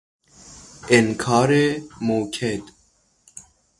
انکار موکد